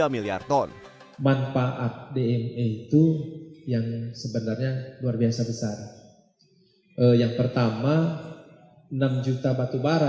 tiga miliar ton manfaat dna itu yang sebenarnya luar biasa besar yang pertama enam juta batu bara